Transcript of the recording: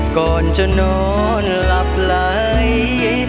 ก่อนจะนอนหลับไหล